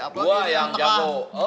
dua yang jauh